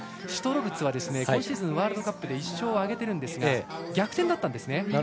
シュトロルツは今シーズン、ワールドカップで１勝を挙げてるんですが逆転だったんですね。